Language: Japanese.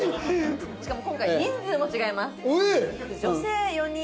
しかも今回人数も違います。